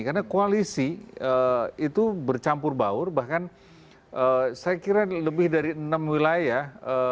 karena koalisi itu bercampur baur bahkan saya kira lebih dari enam wilayah